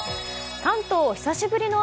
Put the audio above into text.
関東、久しぶりの雨。